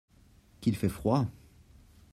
Qu'il fait froid !